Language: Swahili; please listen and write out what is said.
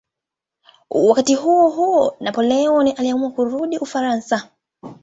Wakati huohuo Napoleon aliamua kurudi Ufaransa.